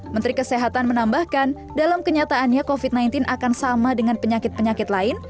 menteri kesehatan menambahkan dalam kenyataannya covid sembilan belas akan sama dengan penyakit penyakit lain